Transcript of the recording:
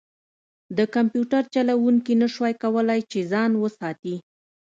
د کمپیوټر جوړونکي نشوای کولی چې ځان وساتي